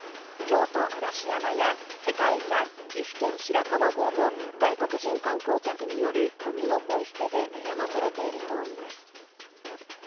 京都・嵐山や、世界遺産の岐阜県・白川郷も外国人観光客によるゴミのポイ捨てで悩まされているといいます。